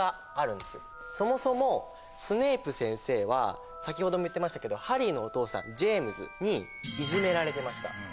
そもそもスネイプ先生は先程も言ってましたけどハリーのお父さんジェームズにいじめられてました。